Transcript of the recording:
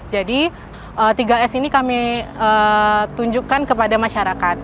jadi tiga s ini kami tunjukkan kepada masyarakat